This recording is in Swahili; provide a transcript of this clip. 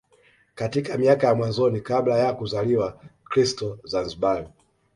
Katika mika ya mwanzo kabla ya kuzaliwa Kristo Zanzibar